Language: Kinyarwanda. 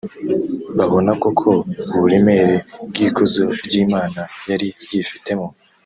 Babona koko uburemere bw’ikuzo ry’Imana yari yifitemo